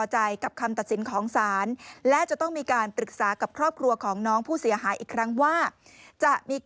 เหลขาอาทิการมูลณิธริปทร์มุสลิม